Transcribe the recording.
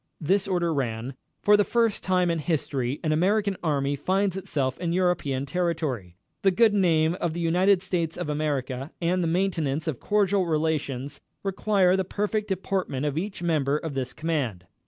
This order ran: "For the first time in history an American Army finds itself in European territory. The good name of the United States of America and the maintenance of cordial relations require the perfect deportment of each member of this command.